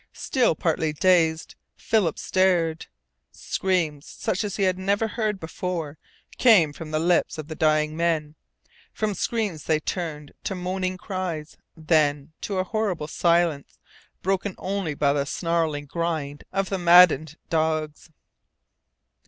Still partly dazed, Philip stared. Screams such as he had never heard before came from the lips of the dying men. From screams they turned to moaning cries, and then to a horrible silence broken only by the snarling grind of the maddened dogs.